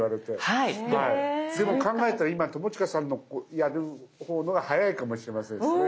でも考えたら今友近さんのやる方のが速いかもしれませんですね。